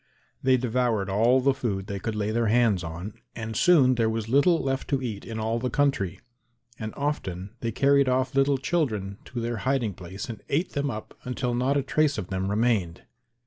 They devoured all the food they could lay their hands on and soon there was little left to eat in all the country; and often they carried off little children to their hiding place and ate them up until not a trace of them remained.